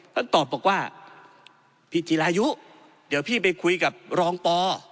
ตอบบอกว่าพี่จิรายุเดี๋ยวพี่ไปคุยกับรองปอ